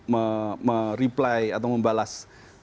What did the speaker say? mem reply atau membalas